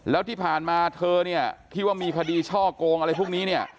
แล้วที่ผ่านมาเธอเนี่ยที่ว่ามีคดีช่อกงอะไรพวกนี้เนี่ย